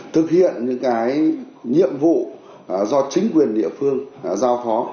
thực hiện những cái nhiệm vụ do chính quyền địa phương giao phó